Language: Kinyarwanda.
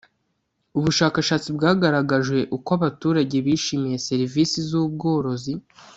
ubushakashatsi bwagaragaje uko abaturage bishimiye serivisi z ubworozi